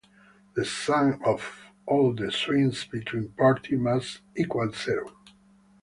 The sum of all the swings between parties must equal zero.